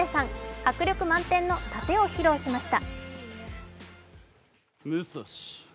迫力満点の殺陣を披露しました。